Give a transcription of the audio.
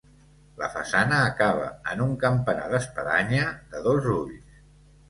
La façana acaba en un campanar d'espadanya de dos ulls.